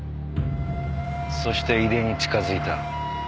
そして井出に近づいた。